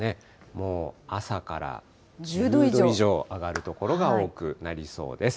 もう朝から１０度以上上がる所が多くなりそうです。